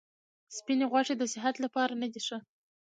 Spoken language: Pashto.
سپیني غوښي د صحت لپاره نه دي ښه.